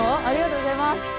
ありがとうございます。